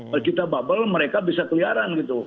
kalau kita bubble mereka bisa keliaran gitu